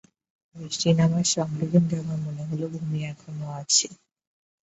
বৃষ্টি নামার সঙ্গে সঙ্গে আমার মনে হল ভূমি এখনো আছ।